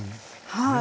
はい。